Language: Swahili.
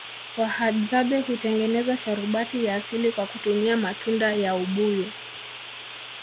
wahadzabe hutengeza sharubati ya asili kwa kutumia matunda ya ubuyu